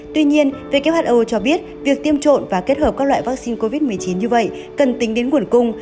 tuy nhiên who cho biết việc tiêm trộn và kết hợp các loại vaccine covid một mươi chín như vậy cần tính đến nguồn cung